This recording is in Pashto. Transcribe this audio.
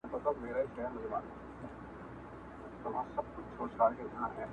شپې اخیستی لاره ورکه له کاروانه,